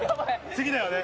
次だよね